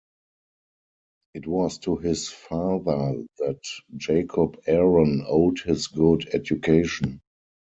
It was to his father that Jacob Aaron owed his good education.